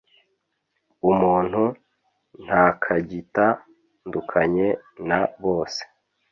umuntu ntakagita ndukanye na bose